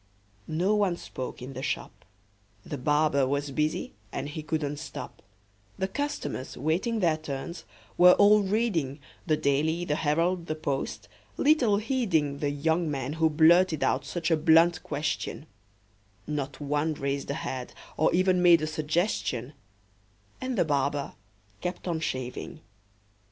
No one spoke in the shop: The barber was busy, and he couldn't stop; The customers, waiting their turns, were all reading The "Daily," the "Herald," the "Post," little heeding The young man who blurted out such a blunt question; Not one raised a head, or even made a suggestion; And the barber kept on shaving.